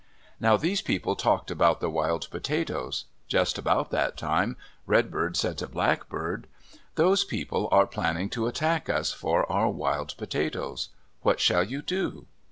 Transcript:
Now these people talked about the wild potatoes. Just about that time, Redbird said to Blackbird, "Those people are planning to attack us, for our wild potatoes. What shall you do?"